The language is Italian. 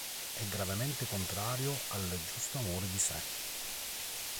È gravemente contrario al giusto amore di sé.